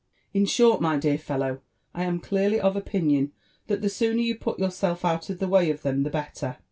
In short, my dear fellow, I am clearly of opinion that the sooner you put yourself out of the way of them the better."